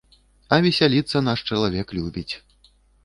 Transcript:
А весяліцца наш чалавек любіць.